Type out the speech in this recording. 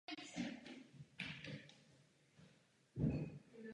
Kapituloval po ročním odporu jen pod slibem volného odchodu vojska do Francie.